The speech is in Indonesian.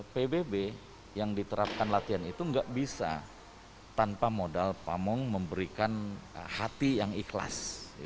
pbb yang diterapkan latihan itu nggak bisa tanpa modal pamong memberikan hati yang ikhlas